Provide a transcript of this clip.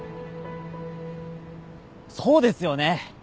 そうですよね。